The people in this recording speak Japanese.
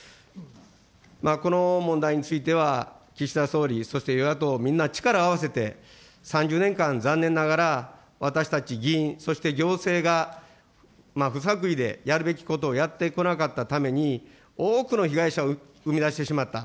この問題については、岸田総理、そして与野党皆さん、力を合わせて、３０年間、残念ながら、私たち議員、そして行政が不作為でやるべきことをやってこなかったために、多くの被害者を生み出してしまった。